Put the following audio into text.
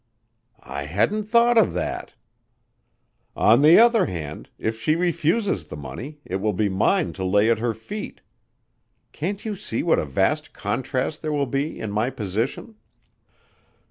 "I hadn't thought of that." "On the other hand, if she refuses the money, it will be mine to lay at her feet. Can't you see what a vast contrast there will be in my position?"